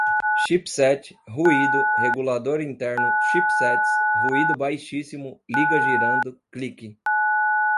chipset, ruído, regulador interno, chipsets, ruído baixíssimo, liga girando, click